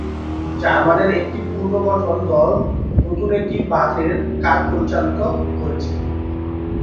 জার্মানের একটি পুনর্গঠন দল নতুন একটি বাঁধের কাজ পরিচালিত করছে।